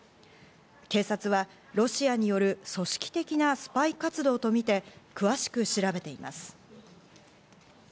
警察はロシアによる組織的なスパイ活動とみて詳しく調べています。